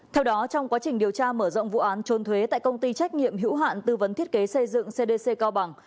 theo đó trong quá trình điều tra mở rộng vụ án trôn thuế tại công ty trách nhiệm hữu hạn tư vấn thiết kế xây dựng cdc cao bằng